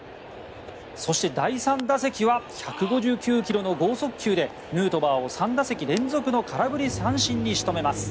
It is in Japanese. そして、第３打席は１５９ｋｍの豪速球でヌートバーを３打席連続の空振り三振に仕留めます。